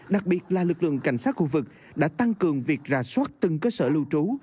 đặc biệt là lực lượng cảnh sát khu vực đã tăng cường việc ra soát từng cơ sở lưu trú